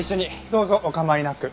どうぞお構いなく。